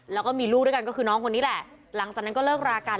แล้วก็มีลูกด้วยกันก็คือน้องคนนี้แหละหลังจากนั้นก็เลิกรากัน